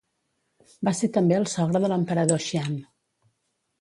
Va ser també el sogre de l'Emperador Xian.